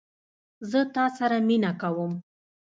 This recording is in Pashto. زه ستا سره مینه کوم